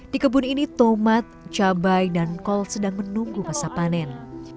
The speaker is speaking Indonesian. di kebun ini tomat cabai dan kol sedang menunggu masa panen